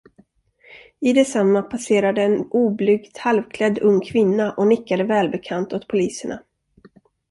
I detsamma passerade en oblygt halvklädd ung kvinna och nickade välbekant åt poliserna.